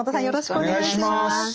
よろしくお願いします。